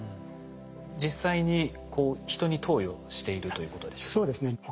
実際に人に投与しているということでしょうか？